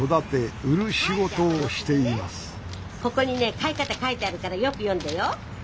ここにね飼い方書いてあるからよく読んでよ。